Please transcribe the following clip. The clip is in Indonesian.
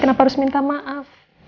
tante selalu meminta maaf